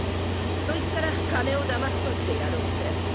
そいつから金を騙し取ってやろうぜ。